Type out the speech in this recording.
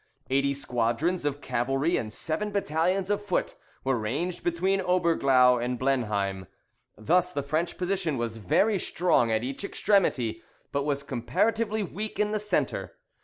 Eighty squadrons of cavalry and seven battalions of foot were ranged between Oberglau and Blenheim. Thus the French position was very strong at each extremity, but was comparatively weak in the centre.